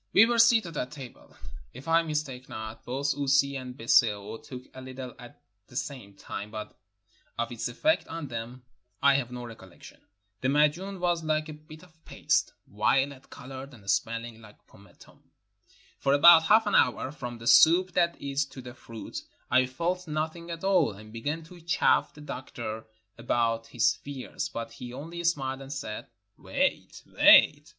We were seated at table: if I mistake not, both Ussi and Biseo took a Httle at the same time, but of its effect on them I have no recollec tion. The madjun was like a bit of paste, violet colored and smelhng Uke pomatum. For about half an hour, from the soup, that is, to the fruit, I felt nothing at all, and began to chaff the doctor about his fears, but he only smiled and said, "Wait, wait."